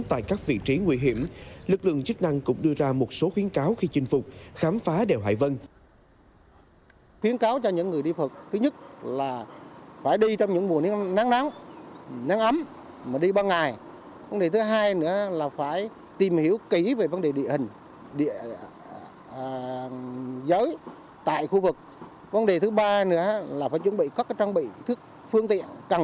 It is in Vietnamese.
tại các vị trí nguy hiểm lực lượng chức năng cũng đưa ra một số khuyến cáo khi chinh phục khám phá đèo hải vân